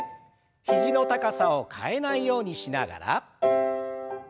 肘の高さを変えないようにしながら。